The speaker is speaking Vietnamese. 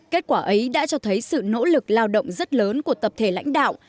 kết quả ấy đã cho thấy sự nỗ lực lao động rất lớn của tập thể lãnh đạo